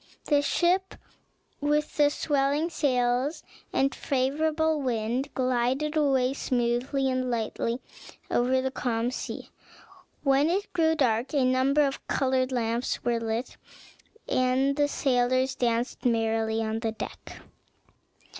The ship, with swelling sails and a favorable wind, glided away smoothly and lightly over the calm sea. When it grew dark a number of colored lamps were lit, and the sailors danced merrily on the deck.